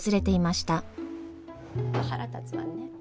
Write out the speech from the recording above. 腹立つわね。